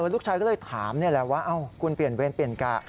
ลูกชายก็เลยถามนี่แหละว่าคุณเปลี่ยนเวรเปลี่ยนกะ